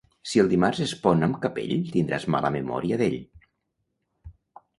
Si el dimarts es pon amb capell, tindràs mala memòria d'ell.